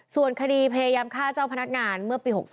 ส่วนคดีพยายามฆ่าเจ้าพนักงานเมื่อปี๖๒